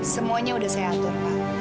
semuanya sudah saya atur pak